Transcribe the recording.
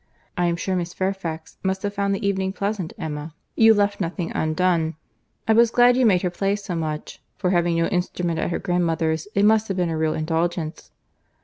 I am sure Miss Fairfax must have found the evening pleasant, Emma. You left nothing undone. I was glad you made her play so much, for having no instrument at her grandmother's, it must have been a real indulgence."